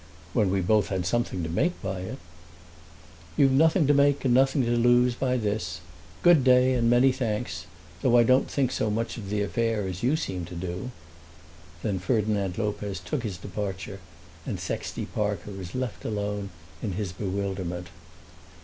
"When we both had something to make by it." "You've nothing to make and nothing to lose by this. Good day and many thanks; though I don't think so much of the affair as you seem to do." Then Ferdinand Lopez took his departure and Sexty Parker was left alone in his bewilderment.